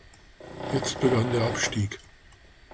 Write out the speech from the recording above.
Jetzt begann der Abstieg.